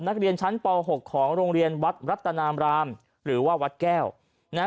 นักเรียนชั้นป๖ของโรงเรียนวัดรัตนามรามหรือว่าวัดแก้วนะฮะ